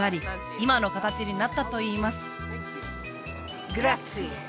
今の形になったといいます